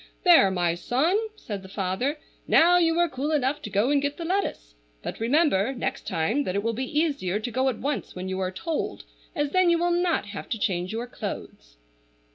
"There, my son!" said the father. "Now you are cool enough to go and get the lettuce; but remember next time that it will be easier to go at once when you are told as then you will not have to change your clothes."